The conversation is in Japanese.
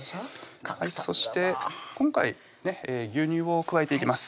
そして今回ね牛乳を加えていきます